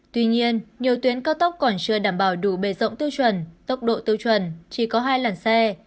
tuy nhiên nhiều tuyến cao tốc còn chưa đảm bảo đủ bề rộng tiêu chuẩn tốc độ tiêu chuẩn chỉ có hai làn xe